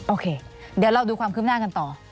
โอเคเดี๋ยวเราดูความคืบหน้ากันต่อ